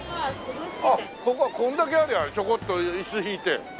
あっこんだけありゃあちょこっと椅子引いて。